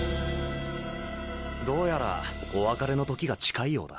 どうやらお別れの時が近いようだ。